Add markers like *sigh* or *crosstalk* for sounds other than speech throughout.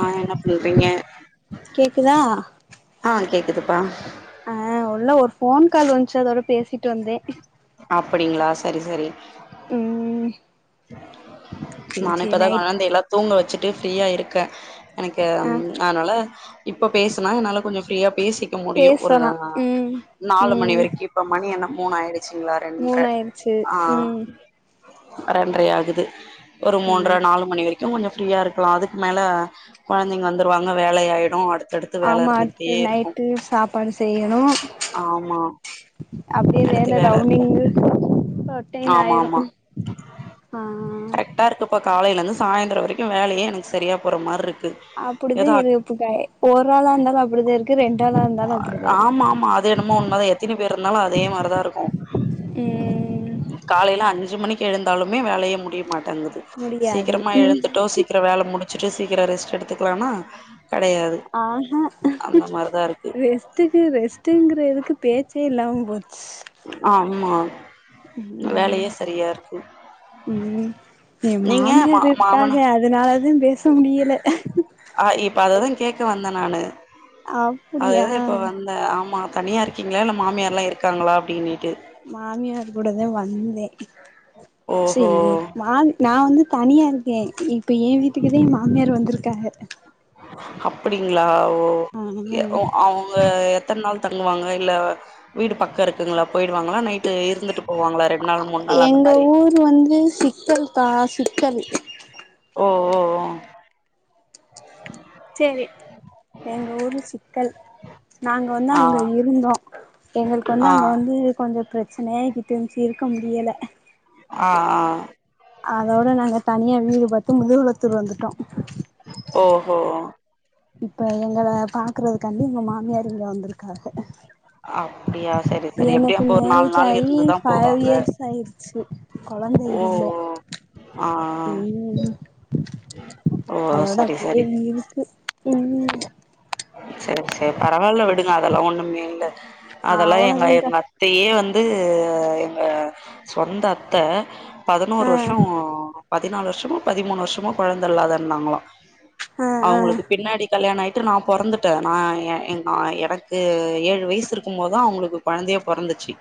ஆ என்ன பண்றீங்க கேக்குதா ஆ கேக்குதுப்பா ஆ உள்ள ஒரு போன் கால் வந்துச்சு அதோட பேசிட்டு வந்த அப்டிங்களா சரி சரி ம்ம் நானே இப்பதா நைட் குழந்தை எல்லா தூங்க வச்சிட்டு ஃப்ரீயா இருக்க எனக்கு ஆ அந் அதனால இப்ப பேசுனா என்னால கொஞ்ச ஃப்ரீயா பேசிக்க முடியு ஒரு பேசலா ம் நாலு மணி ம் வரைக்கு இப்ப மணி என்னா மூணு ஆயிடுச்சிங்களா ரென்ற மூணாயிருச்சு ஆ ம் ரெண்றரையாகுது ஒரு ஆ மூன்ற நாலு மணி வரை க்கும் கொஞ்ச ஃப்ரீயா இருக்கலா அதுக்கு மேல கொழந்தைங்க வந்துருவாங்க வேலையாயிடு அடு ஆமா அடுத்து நைட்டு சாப்பாடு செய்யணு ஆமா அப்டியே அடுத்து வேல இருக்கு ரவுன்டிங் *unintelligible* ஆமா ஆமா டென்னாயிரும் ஆ டா இருக்குப்பா காலையிலருந்து சாயந்தர வரைக்கும் வேலையே எனக்கு சரியா போற மாரி இருக் அப்டிதா இருக்கு இப்ப ஒரு ஆளா இருந்தாலு அப்டிதா இருக்கு ரெண்டாளா இருந்தாலு அப்டிதா இருக் ஆமா ஆமா அது என்னமோ உண்மத எத்தினி பேர் இருந்தாலு அதே மாரிதா இருக்கும் ம் காலையில அஞ்சு மணிக்கு எழுந்தாலுமே வேலையே முடியமாட்டங்குது முடியாது சீக்கிரமா ம் எழுந்துட்டோ சீ சீக்கிர வேல முடிச்சுட்டு சீக்கிர ரெஸ்ட் எடுத்துக்கலானா கெடையாது ஆ அந்த மாரிதா இருக்கு ரெஸ்ட் டுக்கு ரெஸ்ட்டுங்கறதுக்கு பேச்சே இல்லாம போச் ஆமா ம் வேலையே சரியா இருக்கு ம் எய நீங்க மா மாமியார் இருக்காக மாமனா அதுனால தா பேச முடியல ஆ இப்ப அததா கேக்க வந்த நானு அப்டியா அதாவது இப்ப வந்த ஆமா தனியா இருக் க்கீங்கல்லா இல்ல மாமியார்ல்லா இருக்காங்களா அப்டின்னுட்டு மாமியார் கூடதா வந்த ஓஹோ செரி மாமி நா வந்து தனியாருக்க இப்போ எய வீட்டுக்குதா மாமியார் வந்துருக்காங்க அப்டிங்களா ஓ ஆ ஏ ஓ அவங்க எத்தன் நாள் தங்குவாங்க இல்ல வீடு பக்கம் இருக் இருக்குங்களா போயிடுவாங்களா நைட்டு இருந்துட்டு போவாங்களா ரெண்டு நாள் மூணு நாள் அந்த மாரி இது வந்து சிக்கல் கா சிக்கல் ஓ சேரி எங்க ஊரு சிக்கல் நாங்க வந்து ஆ அங்க இருந்தோ எங்களுக்கு வந்து ஆ அங்க வந்து கொஞ்ச பிரச்சனயாகிக்கிட்டு இருந்ச்சு இருக்க முடியல ஆ ஆ அதோட நாங்க தனியா வீடு பாத்து முதுகுளத்தூர் வந்துட்டோ ஓஹோ இப்ப எங்கள பாக்குறதுக்காண்டி எங்க மாமியார் இங்க வந்திருக்காக அப்டியா சரி சரி எப்டியு எனக்கு அப்போ ஒரு நாலு மேரேஜ் நாள் ஆயி இருந்துதா ஃபைவ் போவாங்க இயர்ஸ் ஆயிருச்சி கொழந்த ஓ ஓ இல்ல ஆ ஆ. ம் ஓ அதோட சரி அப்டியே சரி இருக்கு ம் செரி செரி பரவாயில்ல விடுங்க அதெல்லா‌ ஒண்ணுமே இல்ல அதெல்லா எங்க அவ்ளோதான்க்கா இருந்தா அத்தையே வந்து எங்க சொந்த அத்த பதினோரு ஆ வருஷோ பதினாலு வருஷமோ பதிமூணு வருஷமோ கொழந்த இல்லாத இருந்தங்களா இருந்தாங்களா ஆ ஆ அவுங்களுக்கு பின்னாடி கல்யாண ஆயிட்டு நா பொறந்துட்ட நா எ நா எனக்கு ஏழு வயசு இருக்குமோதா அவுங்களுக்கு கொழந்தையே பொறந்துச்சி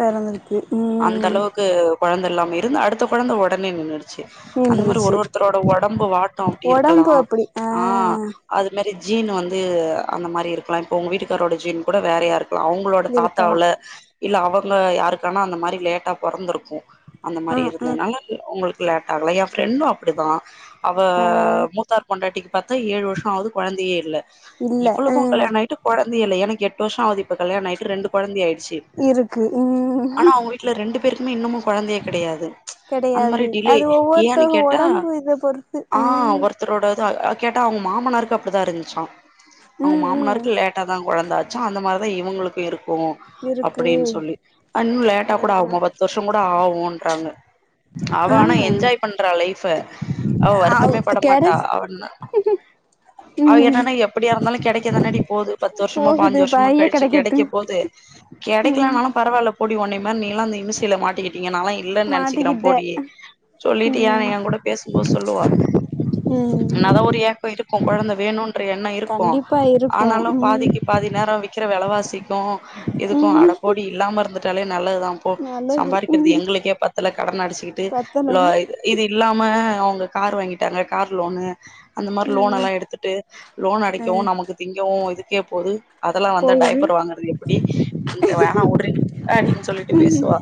பெறந்துருக்கு அந்த ம் அளவுக்கு கொழந்த இல்லாம இருந்து அடுத்த கொழந்த ஒடனே நின்னுரு ச்சி அந்த மாரி ஒரு மீண்டுருச்சு ஒருத்தரோட ஒடம்பு வாட்டோ அப்டி இருக்கலா ஒடம்பு அப்டி ஆ அது மாரி ஜீன் வந்து அந்த மாரி இருக்கலா இப்போ உங்க வீட்டுக்காரோட ஜீன் கூட வேறையா இருக்கலா அவு அவங்களோட இருக்கலா தாத்தாவுல இல்ல அவங்க யாருக்கானா அந்த மாரி லேட்டா பொறந்திருக்கு அந்த ஆ மாரி ஆ இருந்தனால உங்களுக்கு லேட் ஆகலா எ ஃப்ரெண்டு அப்புடிதா அவ ஆ மூத்தார் பொண்டாட்டிக்கு பாத்தா ஏழு வருஷோ ஆவுது கொழந்தையே இல்ல இல்ல ஆ இவளுக்கு கல்யாண ஆயி ட்டு கொழந்தாயே இல்ல எனக்கு எட்டு வருஷோ ஆவுது இப்ப கல்யாண ஆயிற்று ரெண்டு கொழந்தை ஆயிடுச்சு இருக்கு ம் ஆனா அவங்க வீட்ல ரெண்டு பேருக்குமே இன்னமு கொழந்தைய கிடையாது அந்த மாரி கெடையாது டிலே அது ஏன்னு ஒவ்வொருத்தவங்க கேட்டா ஒடம்பு இத பொறுத்து ஆ ஒருத் ம் ஒருத்தரோட இது கேட்டா அவுங்க மாமனாருக்கு அப்டிதா இருந்துச்சா அவுங்க ம் ம் மாமனாருக் லேட்டா தா கொழந்த ஆச்சா அந்த மாரி தா இவுங்களுக்கு இருக்கு இருக்கு அப்டின்னு சொல்லி அ இன்னு லேட்டா கூட ஆவுமா பத்து வருஷோ கூட ஆவுன்றாங்க அவ ஆ ஆனா என்ஜாய் பண்றா லைஃப அவ ஆ வருத்தமே படமாட்டா கெடச் அவன்னா அவ ம் கேட்டானா எப்படியா இருந்தாலு கெடைக்க தானாடி போது பத்து வருஷமோ போகுது பாஞ்சு வருஷமோ பைய கழிச்சு கெடைக்கட்டு கெடைக்க போது ம் கெடைக்கலனாலு பரவாயில்ல போடி ஒன்னை மாரி நீல்லா அந்த இம்மிசைல மாட்டிக்கிட் டீங்க நல்லா இல்லன் நனச்சக்கிற மாட்டிக்கிட்ட போடி சொல்லிட்டு ஏ ம் எ கூட பேசும்போது சொல்லுவா ம் என்னாதா ஒரு ஏக்கோ இருக்கு கொழந்த வேணுன்ற எண்ணோ இருக்கு கண்டிப்பா இருக்கு ஆனாலு ம் பாதிக்க பாதி நேரோ விக்கற வெலவாசிக்கு இதுக்கு அட ம் போடி இல்லாம இருந்துட்டாலே நல்லது தா நல்லது சம்பாரிக்கறது ம் எங்களுக்கே பத்தல கடன் அடச்சிக்கிட்டு பத்தல லோ இது இது இல்லாம அவுங்க கார் வாங்கிட்டாங்க கார் லோனு அந்த மாரி ம் லோன் ம் எல்லா எடுத்துட்டு லோன் அடைக்கவு ம் நமக்கு திங்கவு இதுக்கே போது அதெல்லா வந்தா போகுது டைப்பர் வாங்கறது எப்படி இந்த வேணா உட்றி அப்டின்னு சொல்லிட்டு பேசுவா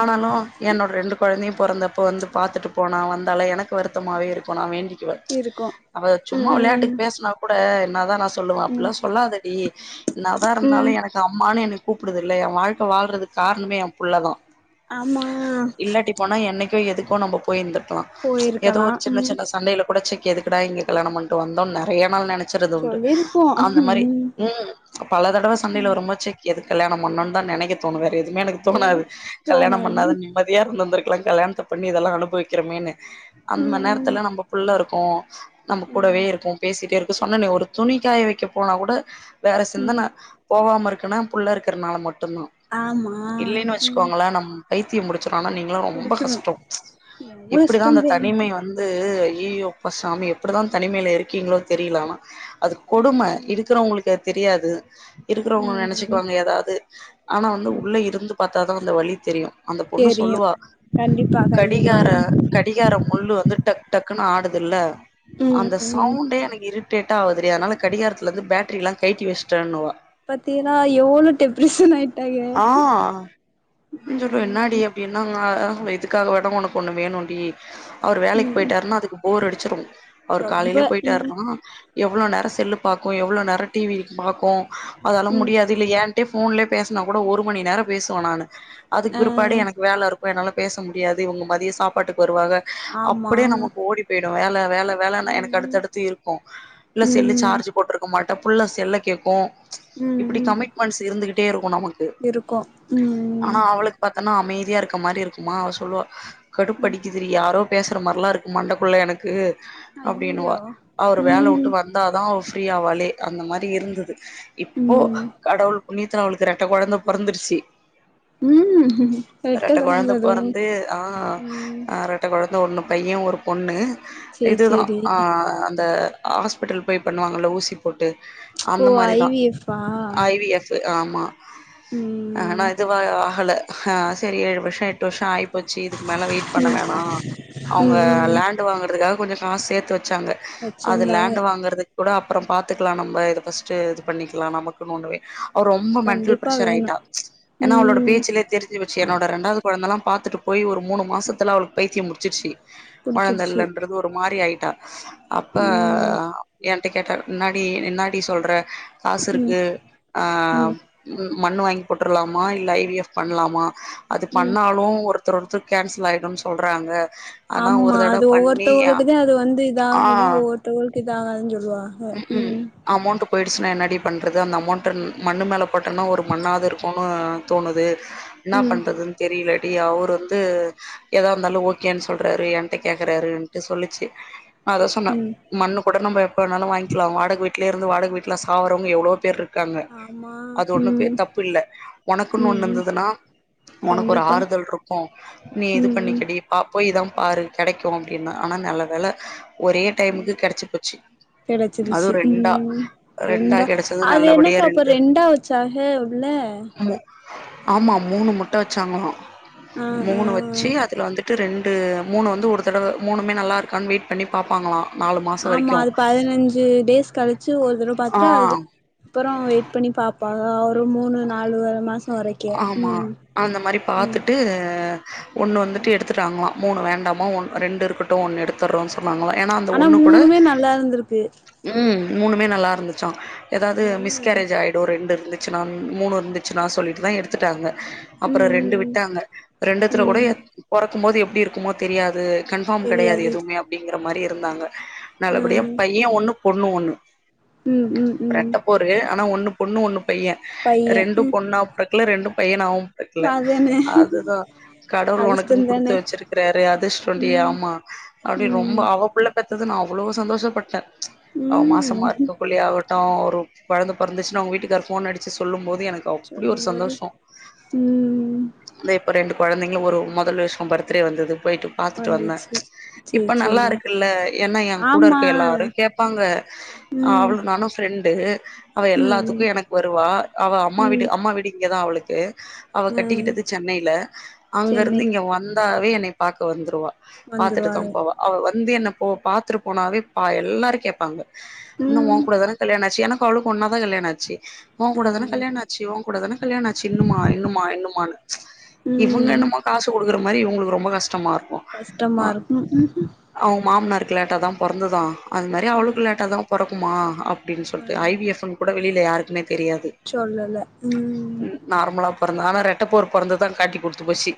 ஆனாலு என்னோட ரெண்டு கொழந்தையும் பொறந்தப்போ வந்து பாத்துட்டு போனா வந்தால எனக்கு வருத்தமாவே இருக்கு நா வேண்டிக்குவ இருக்கு அவ சும்மா ம் விளையாட்டுக்கு பேசனா கூட என்னதா நா சொ சொல்லுவா ம் அப்படில்லா சொல்லாதடி என்ன தா ம் இருந்தாலு எனக் கு அம்மான்னு என்ன கூப்புடுதுல்ல எ வாழ்க்க வாழ்றதுக்கு காரணமே எ புள்ளதா ஆமா இல்லாட்டி போனா என்னைக்கோ எதுக்கோ நம்ப போய் இருந்துருக்லா ஏதோ போயிருக்கலா ஒரு சின்ன ம் சின்ன சண்டையில பொடச்சிக்கு எதுக்குடா இங்க கல்யாணம் பன்ட்டு வந்தோ நறைய நாள் நனைச்சறது உண்டு சொல்லிருப்போ அந்த மாரி ம் ம் பல தடவ சண்டையில வரும்போது ச்செய்க் எதுக் கல்யாணம் பண்ணோனு தா நனைக்க தோணு வேற எதுவுமே எனக்கு தோணாது தெரி கல்யணம் தோணாது பண்ணாதா நீ மதியா இருந்து இருந்துக்கலா கல்யணத்த பண்ணி இதெல்லா அனுபவிக்கிறமேனு அந்தம ம் ம் நேரத்துல நம்ப புள்ள இரு க்கு நம்ப கூடவே ம் இருக்கு பேசிட்டே இருக்கு சொன்னனே ஒரு துணி காய வைக்க போனா கூட வேற ம் சிந்தன போவாம இருக்குனா புள்ள இருக்கறனால மட்டுதா ஆமா இல்லைன்னு ம் வச்சுக்கோங்களே நம் பைத்தியம் முடிச்சிரு ஆனா நீ ங்ளா ரொம்ப புடிச்சிரு கஷ்டொ ரொம்ப எப்டிதா அந்த கஷ்டந்தே தனிமை வ வந்து ஐய்யயோ அப்பா சாமி எப்டிதா தனிமைல இருக்கீங்ளோ தெரில ஆனா அது கொடும ம் இருக்குறவங்களுக்கு அது தெரியாது இருக்குறவங்க என்ற ம் ம் நெனச்சிக்குவாங்க எதாவ்து ஆனா வந்து உள்ள இருந்து பாத்தா தா அந்த வழி தெரியு அந்தப் பொண்ணு தெரியு சொல்லுவா கண்டிப்பா கண்டிப்பா கடிகார கடிகார முள்ளு வந்து டக் டக்குன்னு ஆடுதுல்ல ம் அந்த ம் சௌண்டே எனக் டேட்டா ஆவ்துடீ அதுனால காடிகாரத்துலேந்து பேட்ரிலா கய்ட்டி வச்ட்டன்னுவா பாத்தீனா எவ்ளோ டிப்ரெஷன் ஆயிட் ஆ சொல்லுவா என்னாடி ம் அப்டின்னாங்க இதுக்காக ஓட ஒனக்கு ஒண்ணு வேணுண்டி அவர் வேலைக்கு ம் போயிட்டார்னா அதுக்கு போர் அடிச்சிரு அவர் ரொம்ப காலைலயே ம் போயிட்டார்னா எவ்ளோ நேரொ செல்லு பாக்கு எவ்ளோ நேரொ டீவி பாக்கு அதெல்லா ம் முடியாது இல்ல ஏன்ட்டயே ஃபோன்லயே பே ஸ்னா கூட ஒரு மணி நேரொ பேசுவ நானு அதுக்கு ஆ பிற்பாடு எனக்கு வேல இருக்கு என்னால பேச முடியாது இவங்க மத் தியொ சாப்பாட்டுக்கு வருவாக ஆமா அப்டே நமக்கு ஓடி போய்டு வேல வேல வேலன எனக் ம் அடுத்தடுத்து இருக்கு இல்ல ம் செல்லு ம் சார்ஜு போட்ருக்க மாட்ட புள்ள செல்ல கேக்கு ம் இப்டி ம் கமிட்மெண்ட்ஸ் இருந்துகிட்டே இருக்கு நமக்கு இருக்கு ம் ஆனா அவளு பாத்தன்னா அமைதியா இருக்க மாரி இருக்குமா அவ சொல்லுவா கடுப்படிக்கி துரி யாரோ பேசுற மார்லா இருக்கு மண்டக்குள்ள எனக்கு அப்டினுவா ஐயையோ அவர் வேல உட்டு ம் வந் ந்தாதா அவ ஃப்ரீ ஆவாலே அந்த மாரி இருந்துது இப்போ ம் கடவுள் புண்ணியத்துல அவளுக் ரெட்ட கொழந்த பொறந்திருச்சி ம் எட்ட ரெட்டக் சொல்ல கொழந்த முடியாது பொறந்து ஆ ம் அ ரெ ட்ட கொழந்த ஒன்னு பைய ஒரு பொண்ணு சேரி இதுதா சேரி ஆ அந்த ஹாஸ்பிட்டல் போய் பண்ணுவாங்கல்ல ஊசி போட்டு அந்த ஓ ஐ மாரிதா வி எஃப்பா ஐ வி எஃப் ஆமா ஆனா ம் இதுவா ஆஹல ஆ சேரி ஏழு வர்ஷொ எ ட்டு வர்ஷொ ஆயிப்போச்சு இதுக்கு மேல வெயிட் பண்ண ம் ம் வேணா அவுங்க ம் லேண் டு வாங்குறதுக்காக கொஞ்சொ காஸ் சேத்து வச்சாங்க அது வச்சிருந்தாங்க லேண்ட் வாங்கறது கூட அப்றொ பாத்துக்லா நம்ப இத ஃபஸ்ட்டு இது பண்ணிக்லா நமக்குனு ஒன்னு வே அவ ரொம்ப மெ கண்டிப்பா ஷர் வேணு ஆயிட்டா ஏனா அவளோட ம் பேச்சு லே தெரிஞ்சு போச்சி என்னோட ரெண்டாவ்து கொழந்தல்லா பாத்துட்டு போய் ஒரு மூணு மாசத்துல அவளுக் பைத்தியம் புடிச்சிருச்சி கொழந்த புடிச்சிருச்சு இல்லன்றது ஒரு மாரி ஆய்ட்டா அப்ப ம் என்ட்ட கேட்டாரு என்னாடி என்னாடி சொல்ற காசு ம் இருக்கு ஆ ம் ம் மண்ணு வாங்கி போட்ருலாமா இல்ல ஐ வி எஃப் பண்லாமா அது ம் பண்ணாலு ஒரு த்தரொருத்தர் கேன்சல் ஆய்டுன் சொல்றாங்க ஆனா ஒரு ஆமா தடவ அது பண்ணி ஒவ்வொருத்தவளுக்கு அது வந்து ஆ இதாகுமா ஒவ்வொருத்தவ்களுக்கு இதாகாதுன் சொல்லுவாக ம் அமௌண்ட்டு போய்டுச்சுன்னா என்னாடி பண்றது அந்த அமௌண்ட்டு மண்ணு மேல போட்டோன்னா ஒரு மண்ணாவ்து இருக்குனு தோணுது என்னாப் ம் பண்றதுன் தெரிலடி அவர் வந்து ஏதா இருந்தாலு ஓகேன் சொல்றாரு என்ட்ட கேக்குறாருன்ட்டு சொல்லிச்சு நா அதா சொன்ன ம் மண்ணு கூட நம்ம எப்ப வேணாலு வாய்ங்க்கிலா வாடகை வீட்லயே இருந்து வாடக வீட்ல சாவுறவங்க எவ்ளோவோ பேர் இருக்காங்க ஆமா அது ஒண்ணு பே ம் தப்பில்ல ஒனக்குன் ம் ஒண்ணு ம் இந்துதுன்னா ஒனக்கொரு கண்டிப்பா ஆறுதல்ருக்கு நீ இது ம் ம் பண்ணிக்கடி அ போய்தா பாரு கெடைக்கு அப்டின்ன ஆனா நல்ல வேல ஒரே டைமுக்கு கெடச்சு போச்சு அதுவு கெடைச்சிருச்சு ரெண்டா ம் ரெண்டா கெடச்சது அது நல்லபடியா என்னக்கா அப்ப ரெண்டு ரெண்டா வ ச்சாஹே உள்ள ஆமா மூணு முட்ட வச்சாங்களா ஆ ஆ மூணு வச்சு அதுல வந்து ட்டு ரெண்டு மூணு வந்து ஒரு தடவ மூணுமே நல்லா இருக்கா வெயிட் பண்ணி பாப்பாங்களா நாலு மாசோ ஆமா வரைக்கு அது பதினஞ்சு டேஸ் கழிச்சு ஒரு தடவ ஆ பாத்துட்டு அதுக் ப்பறோ வெயிட் பண்ணி பாப்பா ஒரு மூணு நாலு வரு மாச வரை ஆமா அந்த மாரி பாத்துட்டு ஒண்ணு வந்துட்டு எடுத்துட்டாங்களா மூணு வேண்டாமா ஒன் ரெண்டு இருக்கட்டு ஒண்ணு எடு த்தரோ சொன்னாங்களா ஏன்னா அந்த ஆனா ஒன்னு கூட மூணுமே நல்லா இருந்திருக்கு ம் மூணுமே நல்லா இருந்துச்சா ஏதாவ்து ஆ மிஸ்கேரேஜ் ஆய் ட்டோ ரெண்டு இருந்துச்சுன்னா மூண் மூணு இருந்துச்சுன்னா சொல்ட்டு தா எடுத் துட்டாங்க அப்பறோ ம் ரெண்டு ம் விட்டாங்க ம் ரெண்டுத்துல கூட ம் எத் பொறக் க்குமோது எப்டி இருக்குமோ தெரியாது கன்ஃபார்ம் கெடையாது தெரியாது எதுவுமே அப்டிங்கிற மாரி இருந்தாங்க ஆ நல்லபடியா பைய ஒன்னு பொண்ணு ஒன்னு ம் ம் ம் *unintelligible* ஆனா ஒன்னு பொண்ணு ஒன்னு பைய பைய ரெண்டு ம் பொண்ணா பொறக்கல ரெண்டு பையனாவு பொறக்குல அதானே அதுதா கடவுள் உனக்குன் குடுத்து அதிர்ஷ்டந்தானே வச்சிருக்கிறாரு அதிஷ்டோன்டி ம் ஆமா அப்டி ரொம்ப ம் அவ புள்ள பொறத்துது நா அவ்வளோ சந்தோஷப்பட்டே அவ மாசமா ம் இருக்ககுள்ள ஆகட்டு ஒரு கொழந்த பொறந்துச்சுனா அவுங்க வீட்டுக்காரு ஃபோன் அடிச்சு சொல்லு போது எனக்கு அப்டி ஒரு இவுங்க வந்து ம் ம் ந்த இப்ப ரெண்டு கொழந்தைங்க ஒரு மொதல் வர்ஷ பர்த்டே வந்தது போய்ட்டு பாத்துட்டு வந்தே வந்துச்சு சேரி இப்ப நல்லா சேரி இருக்குல்ல ஏன்னா ஏ கூட ஆமா இருக்க எல்லாரு கேப்பாங்க ஆ ம் அவ்ளு நானு ஃப்ரெண்டு அவ ம் எல்லாத்துக்கு ம் எனக்கு வருவா அவ அம்மா வீடு ம் அம்மா விடுங்கதா அவ்ளுக்கு அவ ஆ கட்டிக்கிட்டது சென்னைய்ல சென்னை அங்கெருந்து இங்க வந்தாவே என்னய பாக்க வந்துருவா பாத்துட்டுதா வந்துருவாரு போவ அவ வந்து என்ன போ பாத்துட்டு போனாவே பா எல்லாரு கேப்பாங்க இன்னோ ஓ ம் கூடாதான கல்யணா ஆச்சி எனக்கு அவ்ளுக்கு ஒன்னா தா கல்யாண ஆச்சி ஒ ஆ கூடாதான கல்யாண ஆச்சி ஒன் கூடாதானே கல்யாணாச்சி இன்னுமா இன்னுமா இன்னுமானு இவுங்க ம் என்னுமோ காசு குடுக்குற மாரி இவுங்களுக்கு ரொம்ப கஷ்டமாரு கஷ்டமா இருக்கு ம் அவுங்க மாமனாருக்கு லேட்டா தா பொறந்துதா அது மாரி ம் அவுளுக்கு லேட்டாதா பொறக்குமா அப் டின்னு சொல்ட்டு ஐ ம் வி எப் ன்னு கூட வெளில யாருக்குமே தெரியாது சொல்லல ம் ம் நார்மலா பொறந்தா ஆனா ரெட்டப்பொறம்பு பொறந்ததுதா காட்டி குடுத்து போச்சி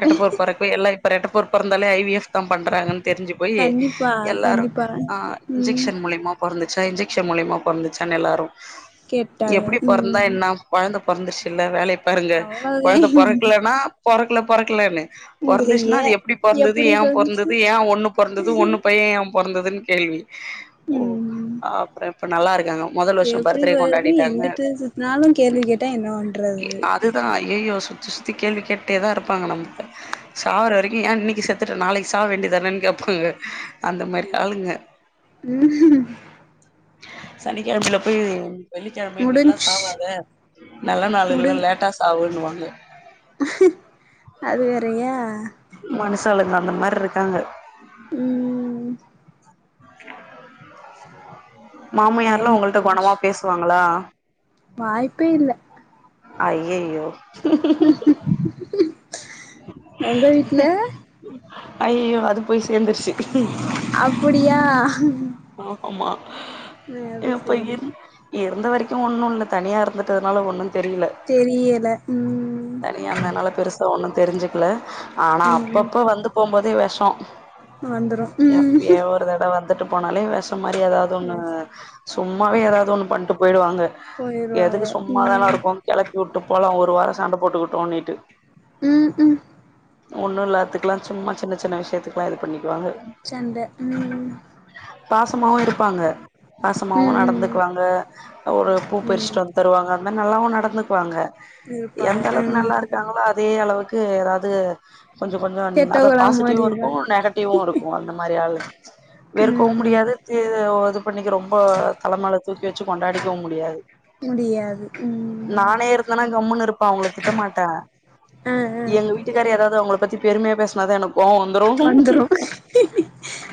ரெட்டப்பொறப் பொறக்கு போய் எல்லா இப்ப ரெட்ட பொறப் பொறந்தாலே ஐ வி எஃப் தா பண்றாங்கன்னு தெரிஞ்சி போயி கண்டிப்பா எல்லாரு கண்டிப்பா ஆ ம் இன்ஜக்‌ஷன் மூலியமா பொறந்துச்சா இன்ஜெக்ஷன் மூலயமா பொறந்துச்சானு எல்லாரு கேட்டாங்க எப்டி பொறந்தா ம் என்னா கொழந்த பொறந்துச்சில்ல வேலய பாருங்க அவ்ளோதே கொழந்த பொறக்கலன்னா பொறக்கல பொறக்கலன்னு ங்கிறிய பொறந்துச்சுன்னா அது எப்டி பொறந்தது எப்டி ஏ போச்சு பொறந்தது ஏ ஒன்னு பொறந்தது ஒன்னு பைய ஏ பொறந்ததுன்னு கேள்வி ஓ ம் அப்பறொ இப்ப நல்லா இருக்காங்க மொதல் வர்ஷொ பர்த்டே கொண்டாடிட்டாங்க நானு கேள்வி கேட்டா என்ன *inaudible* அதுதா அய்யயோ சுத்தி சுத்தி கேள்வி கேட்டே தா இருப்பாங்க நம்புட்ட சாவர வரைக்கி ஏ இன்னிக்கி செத்துட்ட நாளைக்கு சாவ வேண்டிதானேன்னு கேப்பாங்க அந்த மாரி ஆளுங்க ம் சனிக்கெழமைல போயி வெள்ளிக்கெழம இன்னிக்கெலா முடிஞ்ச் சாவாத நல்ல நாளு முடி இல்ல லேட்டா சாவுன்னுவாங்க அது வேறயா மனுசாளுங்க அந்த மாரி இருக்காங்க ம் மாமியார்லா டைம் ஒங்கள்ட்ட கொணமா பேசுவாங்களா வாய்ப்பேல்ல ஐய்யய்யோ ஒங்க வீட்ல ஐய்யய்யோ அது போய் சேந்துருச்சி அப்டியா ஆமா அது ஏ செரி பையன் இருந்த வரைக்கு ஒன்னுல்ல தனியா இருந்துட்டதுனால ஒன்னு தெரில தெரியல ம் தனியாந்தனால பெருசா ஒன்னு தெரிஞ்சிக்ல ஆனா ம் அப்பப்ப வந்து போபோதே வெஷோ வந்துரு ம் எப்பயேஒரு தடவந்து வந்துட்டு போனாலே வெஷோ மாரி ஏதாவது ஒன்னு சும்மாவே ஏதாவது ஒன்னு பண்ணிட்டு போயிடுவாங்க போயிருவாங்க எதுக்கு சும்மாதான ம் இருக்கோ கெளப்பி உட்டு போலா ஒரு வாரோ சண்ட போட்டுகுட்டுனிட்டு ம் ம் ஒன்னு இல்லாத்துக்கில்லா சும்மா சின்ன சின்ன விஷயத்துக்குல்லா இது பண்ணிக்குவாங்க சண்ட ம் பாசமாவு இருப்பாங்க ம் பாசமாவு ம் நடந்துக்குவாங்க ஒரு பூ ம் பெறிச்சுட்டு வந்து தருவாங்க அந்த மாரி நல்லாவு நடந்துக்குவாங்க இருப்பாங்க எந்த அளவுக்கு நல்லா ம் இருக்காங்ளோ அதே அளவுக்கு ஏதாது கொஞ்சொ கொஞ்சொ அதா கெட்டவங்களா பாசிட்டிவு இருக்கு மாறிருவா நெகட்டிவு இருக்கு அந்த மாரிஆளு ம் வெறுக்கவு முடியாது ம் த இது பண்ணிக்க ரொம்ப தலைமேல தூக்கி வச்சு கொண்டாடிக்கவு முடியாது முடியாது ம் நானா கம்முன்னு இருப்பா அவங்கள திட்ட மாட்டா ஆ ஆ எங்க வீட்டுக்கார் ஏதாவது அவங்கள பத்தி பெருமையா பேசுனதா எனக்கு கோவோ வந் வந்துரு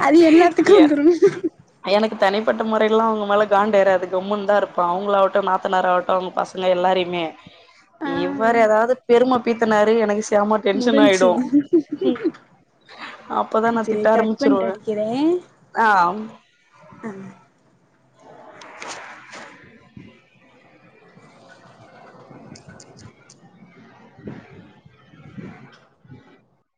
அது எல்லாத்துக்கு எ வந்துரு எனக்கு தனிப்பட்ட மொறைல்லா அவங்க மேல காண்ட ஏறாது கம்முன்னு தா இருப்போ அவங்களாகட்டு நாத்தனார் ஆகட்டு அவங்க பச *unintelligible* எல்லாரையுமே ஆ இவரு ஏதாவது பெரும பீத்தனாரு எனக்கு செம டென்ஷன் முடிஞ்ச்சு ஆயிடு அப்பதா நா திட்ட சேரி கட் பண்ட்டு ஆரம்பிச்சிருவே அடிக்கிறே அ அ *inaudible* *inaudible* *inaudible*